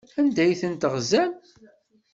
Anda ay ten-teɣzam?